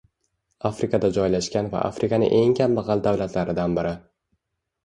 Afrikada joylashgan va Afrikaning eng kambagʻal davlatlaridan biri.